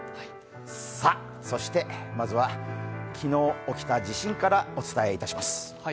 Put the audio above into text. まずは、昨日起きた地震からお伝えいたします。